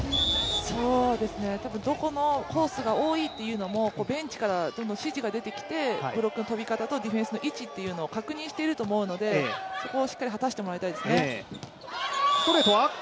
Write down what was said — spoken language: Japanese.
多分どこのコースが多いというのもベンチからどんどん指示が出てきて、ブロックの跳び方とディフェンスの位置というのを確認していると思うので、そこをしっかり果たしてほしいですね。